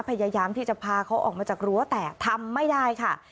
พยายามที่จะพาเขาออกมาจากรั้วแต่ทำไม่ได้ค่ะ